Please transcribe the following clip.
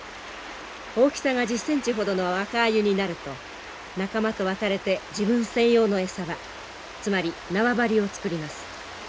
大きさが１０センチほどの若アユになると仲間と別れて自分専用の餌場つまり縄張りを作ります。